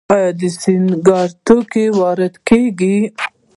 آیا د سینګار توکي وارد کیږي؟